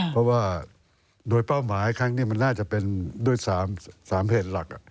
เพราะว่าโดยเป้าหมายครั้งนี้มันน่าจะเป็นด้วย๓เหตุหลัก